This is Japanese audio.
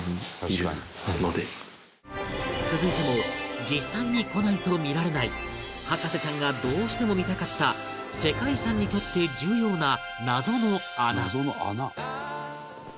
続いても実際に来ないと見られない博士ちゃんがどうしても見たかった世界遺産にとって重要な謎の穴